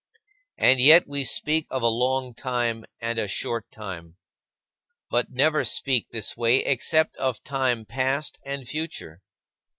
And yet we speak of a long time and a short time; but never speak this way except of time past and future.